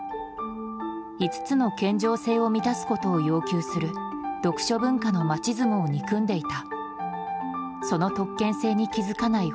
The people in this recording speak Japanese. ５つの健常性を満たすことを要求する読書文化のマチズモを憎んでいた。